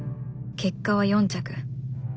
結果は４着。